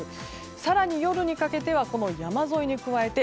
更に夜にかけては山沿いに加えて